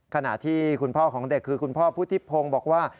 ขณะที่คุณพ่อของเด็กคือคุณพ่อพุทธิพงศ์บอกว่า